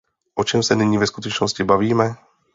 O čem se nyní ve skutečnosti bavíme?